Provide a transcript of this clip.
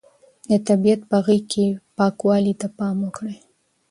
د طبیعت په غېږ کې پاکوالي ته پام وکړئ.